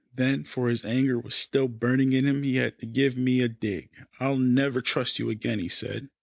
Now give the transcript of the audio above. Then, for his anger was still burning in him, he had to give me a dig. "I'll never trust you again," he said.